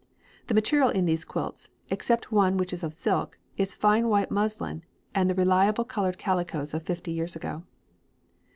The material in these quilts, except one which is of silk, is fine white muslin and the reliable coloured calicoes of fifty years ago.